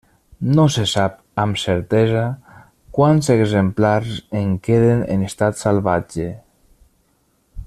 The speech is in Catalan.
No se sap amb certesa quants exemplars en queden en estat salvatge.